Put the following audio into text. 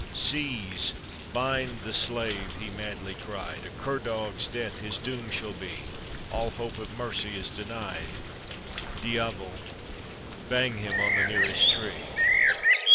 "Seize, bind the slave! " he madly cried; "A cur dog's death his doom *hall be; All hope of mercy is denied ; Diavual: hang him on the nearest tree.